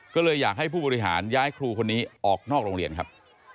ก็เลยอยากให้ผู้บริหารย้ายครูคนนี้ออกนอกโรงเรียนครับ